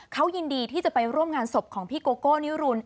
เขายินดีที่จะไปร่วมงานศพของพี่โกโก้นิรุน